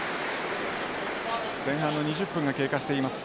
前半の２０分が経過しています。